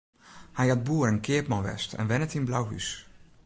Hy hat boer en keapman west en wennet yn Blauhús.